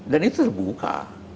dan itu terbuka